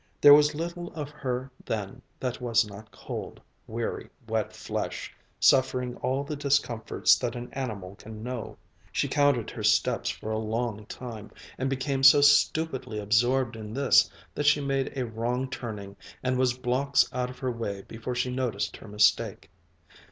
There was little of her then that was not cold, weary, wet flesh, suffering all the discomforts that an animal can know. She counted her steps for a long time, and became so stupidly absorbed in this that she made a wrong turning and was blocks out of her way before she noticed her mistake.